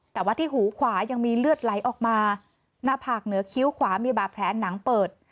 แต่ว่าที่หูขวายังมีเลือดไหลออกมาหน้าผากเหนือคิ้วขวามีบาดแผลหนังเปิด